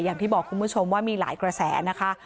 อย่างที่บอกคุณผู้ชมว่ามีหลายกระแสนะคะ